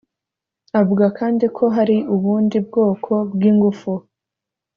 Avuga kandi ko hari ubundi bwoko bw’ingufu